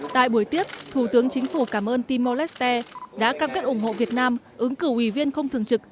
tại buổi tiếp thủ tướng chính phủ cảm ơn timor leste đã cam kết ủng hộ việt nam ứng cử ủy viên không thường trực